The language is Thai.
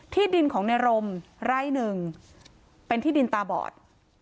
ที่ดินของในรมไร่หนึ่งเป็นที่ดินตาบอด